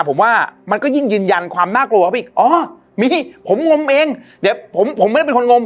ผมว่ามันก็ยิ่งยืนยันความน่ากลัวเข้าไปอีกอ๋อมีผมงมเองเดี๋ยวผมผมไม่ได้เป็นคนงม